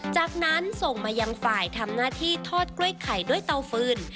จากนั้นส่งมายังฝ่ายทำหน้าที่ทอดกล้วยไข่ด้วยเตาฟืน